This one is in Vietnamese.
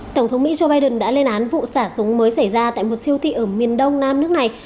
tổng thống mỹ joe biden đã lên án vụ xả súng mới xảy ra tại một siêu thị ở miền đông nam nước này